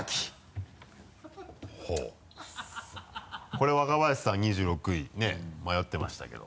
これは若林さん２６位ね迷ってましたけど。